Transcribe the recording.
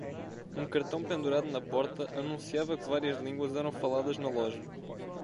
Um cartão pendurado na porta anunciava que várias línguas eram faladas na loja.